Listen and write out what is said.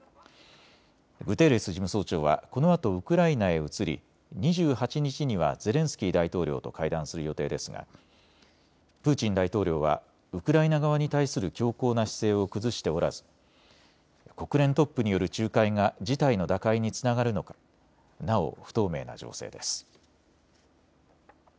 グテーレス事務総長はこのあとウクライナへ移り、２８日にはゼレンスキー大統領と会談する予定ですがプーチン大統領はウクライナ側に対する強硬な姿勢を崩しておらず国連トップによる仲介が事態の打開につながるのかなお不透明な情勢です。